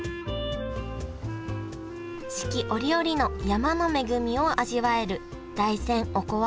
四季折々の山の恵みを味わえる大山おこわ